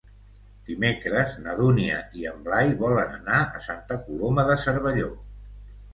Dimecres na Dúnia i en Blai volen anar a Santa Coloma de Cervelló.